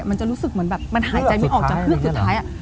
มันจะรู้สึกเหมือนแบบมันหายใจไม่ออกจากเฮือกสุดท้าย